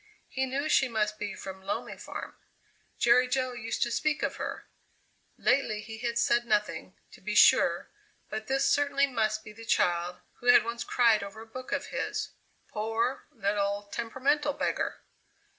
He knew she must be from Lonely Farm Jerry Jo used to speak of her; lately he had said nothing, to be sure, but this certainly must be the child who had once cried over a book of his. Poor, little, temperamental beggar!